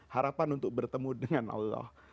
harapan untuk bertemu dengan allah